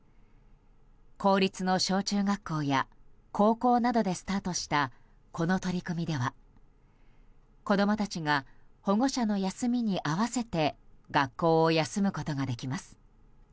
公立の小中学校や高校などでスタートしたこの取り組みでは子供たちが保護者の休みに合わせて学校を休むことができます。